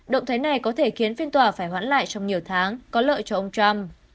động thái này có thể khiến phiên tòa phải hoãn lại trong nhiều tháng có lợi cho ông trump